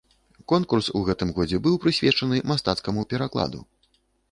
Конкурс у гэтым годзе быў прысвечаны мастацкаму перакладу.